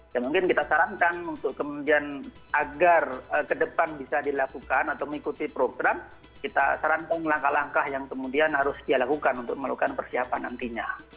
ya mungkin kita sarankan untuk kemudian agar ke depan bisa dilakukan atau mengikuti program kita sarankan langkah langkah yang kemudian harus dia lakukan untuk melakukan persiapan nantinya